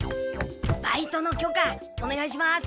バイトの許可おねがいします。